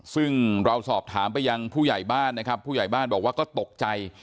ซึ่งเราสอบถามไปยังผู้ใหญ่บ้านนะครับผู้ใหญ่บ้านบอกว่าก็ตกใจ